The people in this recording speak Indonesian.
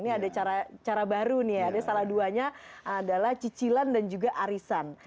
ini ada cara baru nih ya ada salah duanya adalah cicilan dan juga arisan